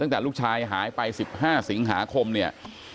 ตั้งแต่ลูกชายหายไป๑๕สิงหาคมเนี่ย